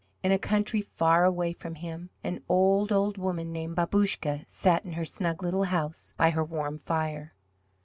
In a country far away from Him, an old, old woman named Babouscka sat in her snug little house by her warm fire.